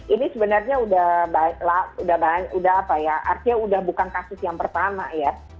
ini sebenarnya sudah apa ya artinya sudah bukan kasus yang pertama ya